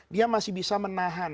dia masih bisa menahan